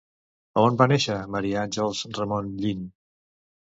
A on va néixer Maria Àngels Ramón-Llin?